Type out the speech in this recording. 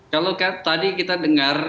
kalau tadi kita dengar